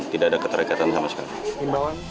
tidak ada keterikatan sama sekali